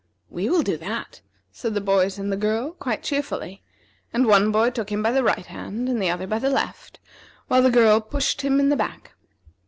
"We will do that," said the boys and the girl, quite cheerfully; and one boy took him by the right hand, and the other by the left, while the girl pushed him in the back.